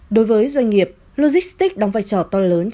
đối với doanh nghiệp logistics đóng vai trò to lớn